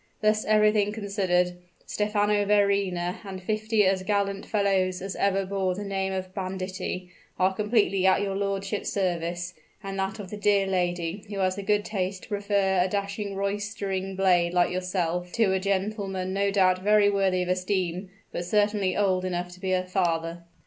Thus, everything considered, Stephano Verrina and fifty as gallant fellows as ever bore the name of banditti, are completely at your lordship's service, and that of the dear lady who has the good taste to prefer a dashing roistering blade like yourself, to a gentleman no doubt very worthy of esteem, but certainly old enough to be her father."